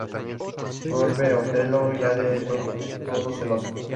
Vuelve Otelo, ya del todo celoso.